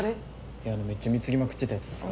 いやあのめっちゃ貢ぎまくってたやつっすか？